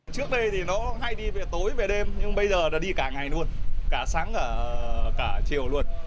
trước đây thì nó hay đi về tối về đêm nhưng bây giờ là đi cả ngày luôn cả sáng cả chiều luôn